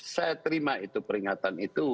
saya terima itu peringatan itu